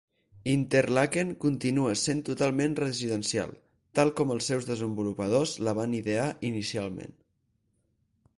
Interlaken continua sent totalment residencial, tal com els seus desenvolupadors la van idear inicialment.